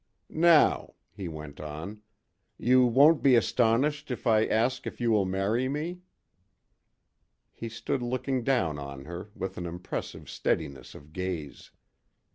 "Now," he went on, "you won't be astonished if I ask if you will marry me?" He stood looking down on her with an impressive steadiness of gaze.